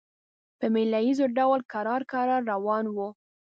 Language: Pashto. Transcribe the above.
په مېله ییز ډول کرار کرار روان وو.